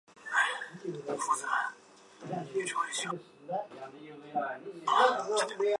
滑雪是指利用滑雪板在雪地滑行的一种体育运动。